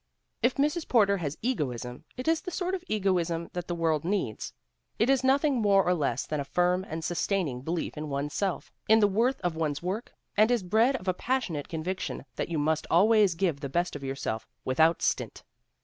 If Mrs. Porter has egoism it is the sort of egoism that the world needs. It is nothing more or less than a firm and sustaining belief in one's self, in the worth of one's work, and is bred of a passionate conviction that you must always give the best of yourself with out stint.